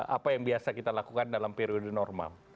apa yang biasa kita lakukan dalam periode normal